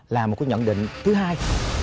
là một cái nhận định thứ hai